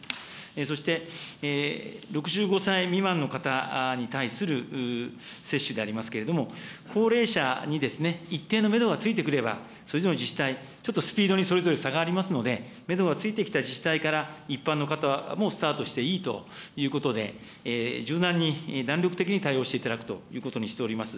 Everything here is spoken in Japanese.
そして６５歳未満の方に対する接種でありますけれども、高齢者に一定のメドがついてくれば、それぞれの自治体、ちょっとスピードに、それぞれ差がありますので、メドがついてきた自治体から、一般の方もスタートしていいということで、柔軟に弾力的に対応していただくということにしております。